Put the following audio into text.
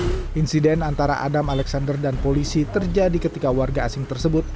dikonsumsi dengan kemampuan yang terlalu besar untuk menolong dan menolong warga asing tersebut